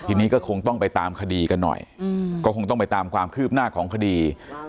ทีนี้ก็คงต้องไปตามคดีกันหน่อยก็คงต้องไปตามความคืบหน้าของคดี